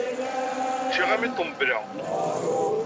Ččiɣ armi ṭembleɣ!